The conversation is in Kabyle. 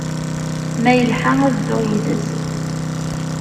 Ma yelḥa, ad dduɣ yid-s.